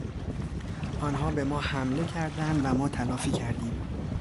آنها به ما حمله کردند و ما تلافی کردیم.